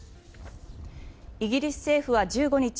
イギリス政府は１５日